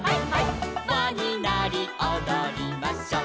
「わになりおどりましょう」